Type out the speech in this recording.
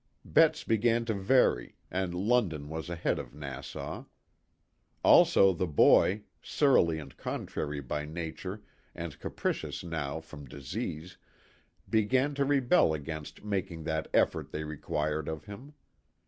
Bets began to vary and London was ahead of Nassau. Also the boy, surly and contrary by nature and capricious now from disease, began to rebel against making that "effort" they required of him.